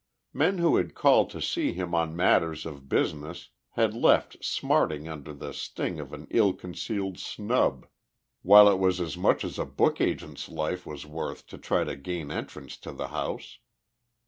Men who had called to see him on matters of business had left smarting under the sting of an ill concealed snub, while it was as much as a book agent's life was worth to try to gain entrance to the house.